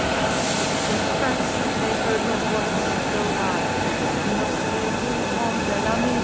_ III In France they heard her voice go by, _N'oserez vous, mon bel ami?